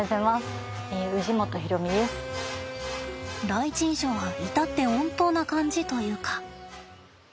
第一印象は至って穏当な感じというか。